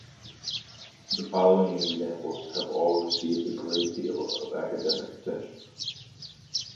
The following examples have all received a great deal of academic attention.